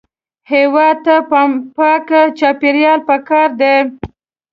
هېواد ته پاک چاپېریال پکار دی